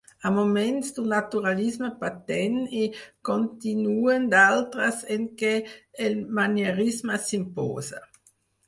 A moments d'un naturalisme patent i continuen d'altres en què el manierisme s'imposa.